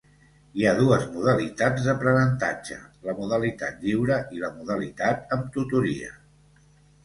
Hi ha dues modalitats d'aprenentatge, la modalitat lliure i la modalitat amb tutoria.